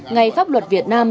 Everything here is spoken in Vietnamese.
ngày pháp luật việt nam